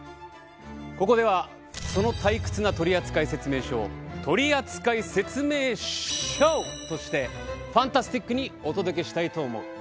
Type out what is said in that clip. ここではその退屈な取扱説明書を取扱説明ショーとしてファンタスティックにお届けしたいと思う。